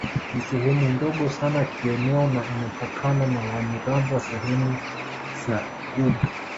Ni sehemu ndogo sana kieneo na inapakana na Wanyiramba sehemu za lgugu